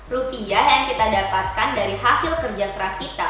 rupiah yang kita dapatkan dari hasil kerja keras kita